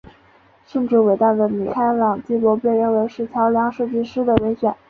甚至伟大的米开朗基罗被认为是桥梁设计师的人选。